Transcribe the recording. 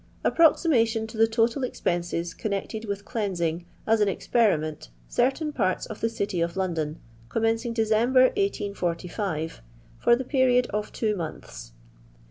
Approximation to the total Expenses connected with cleansing, as an experiment, certam parts of the City of London, commencing December, 1845, for the period of two months.